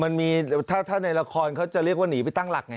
มันมีถ้าในละครเขาจะเรียกว่าหนีไปตั้งหลักไง